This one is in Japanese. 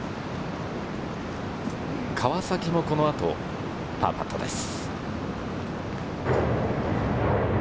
川崎もこの後、パーパットです。